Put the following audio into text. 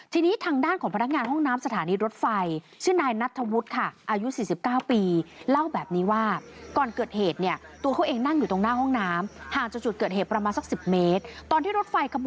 ทีนี้ทางด้านของพนักงานห้องน้ำสถานีรถไฟ